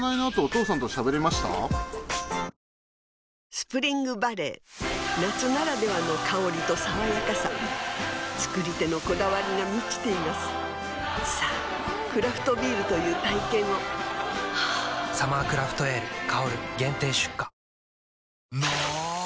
スプリングバレー夏ならではの香りと爽やかさ造り手のこだわりが満ちていますさぁクラフトビールという体験を「サマークラフトエール香」限定出荷の！